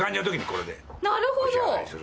なるほど。